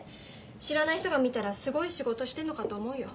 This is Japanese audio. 知らない人が見たらすごい仕事してんのかと思うよ。